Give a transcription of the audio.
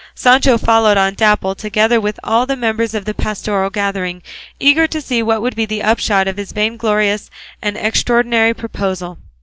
Sancho followed on Dapple, together with all the members of the pastoral gathering, eager to see what would be the upshot of his vainglorious and extraordinary proposal.